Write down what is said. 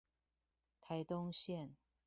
台東線